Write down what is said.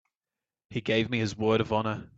He gave me his word of honor.